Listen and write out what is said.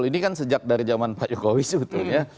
ini kan sejak dari zaman pak jokowi sebetulnya